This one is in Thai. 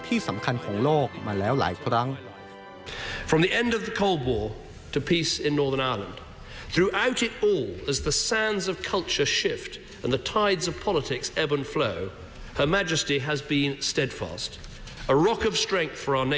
ที่สำคัญของโลกมาแล้วหลายครั้ง